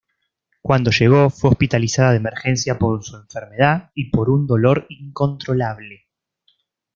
Cuando llegó, fue hospitalizada de emergencia por su enfermedad y por un dolor incontrolable.